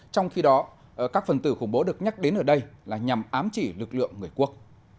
trong khi đó các phần tử khủng bố được nhắc đến ở đây là nhằm ám chỉ lực lượng người quốc